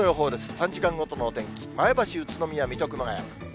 ３時間ごとのお天気、前橋、宇都宮、水戸、熊谷。